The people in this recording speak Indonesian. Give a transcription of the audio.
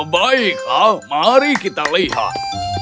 baiklah mari kita lihat